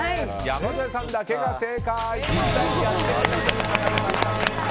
山添さんだけが正解！